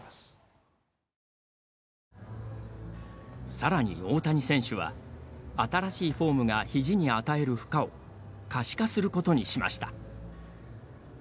さらに、大谷選手は新しいフォームがひじに与える負荷を可視化することにしました。